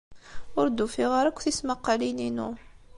Ur d-ufiɣ ara akk tismaqqalin-inu.